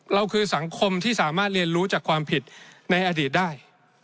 เราคือสังคมที่สามารถเรียนรู้จากความผิดในอดีตได้